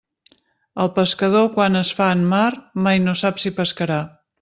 El pescador quan es fa en mar mai no sap si pescarà.